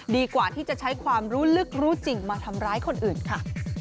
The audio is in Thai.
ดีกว่าที่จะใช้ความรู้ลึกรู้จริงมาทำร้ายคนอื่นค่ะ